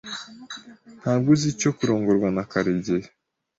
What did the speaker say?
Ntabwo uzi icyo kurongorwa na Karegeya.